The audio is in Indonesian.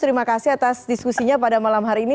terima kasih atas diskusinya pada malam hari ini